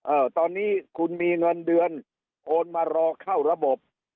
เออตอนนี้คุณมีเงินเดือนโอนมารอเข้าระบบ